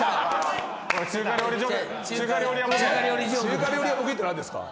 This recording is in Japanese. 中華料理屋ボケって何ですか？